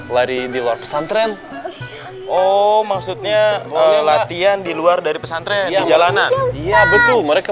lari di luar pesantren oh maksudnya latihan di luar dari pesantren di jalanan iya betul mereka